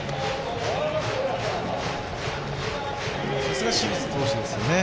さすが清水投手ですよね。